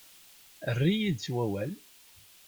Err-iyi-d s wawal.